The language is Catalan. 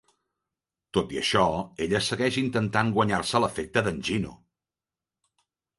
Tot i això, ella segueix intentat guanyar-se l"afecte de"n Gino.